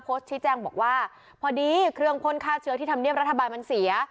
โพสต์ชิ้นแจ้งบอกว่าเพราะดีเครื่องพลฆาตเชื้อที่ทำเนียบรัฐบาลมันเสีย